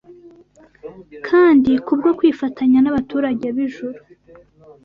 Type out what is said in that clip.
kandi kubwo kwifatanya n’abaturage b’ijuru